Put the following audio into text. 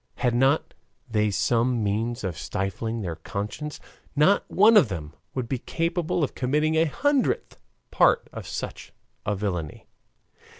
Had not they some means of stifling their conscience, not one of them would be capable of committing a hundredth part of such a villainy.